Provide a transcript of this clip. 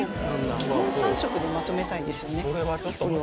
基本３色でまとめたいですよね